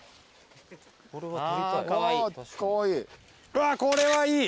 うわこれはいい。